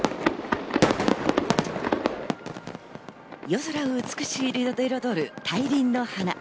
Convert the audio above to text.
夜空を美しく彩る大輪の花。